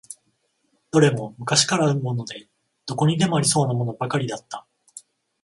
どれも昔からあるもので、どこにでもありそうなものばかりだった。